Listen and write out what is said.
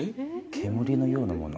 煙のようなもの。